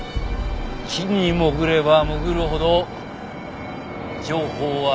地に潜れば潜るほど情報は